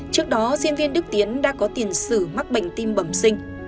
trước đó diễn viên đức tiến đã có tiền sử mắc bệnh tim bẩm sinh